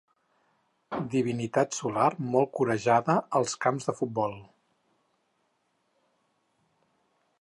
Divinitat solar molt corejada als camps de futbol.